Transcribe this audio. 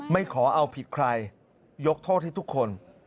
ขอเอาผิดใครยกโทษให้ทุกคน